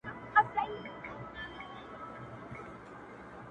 هر څوک د پېښې کيسه بيا بيا تکراروي,